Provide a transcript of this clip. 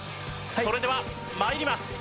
それでは参ります。